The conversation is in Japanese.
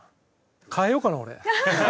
変えようかな俺。